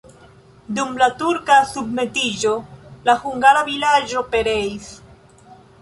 Dum la turka submetiĝo la hungara vilaĝo pereis.